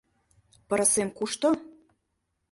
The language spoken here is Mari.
— Пырысем кушто?